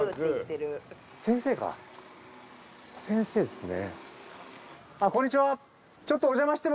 先生ですね。